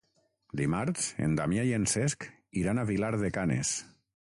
Dimarts en Damià i en Cesc iran a Vilar de Canes.